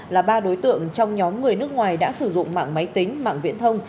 là ba đối tượng trong nhóm người nước ngoài đã sử dụng mạng máy tính mạng viễn thông